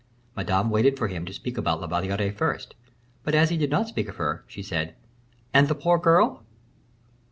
Madame waited for him to speak about La Valliere first; but as he did not speak of her, she said, "And the poor girl?"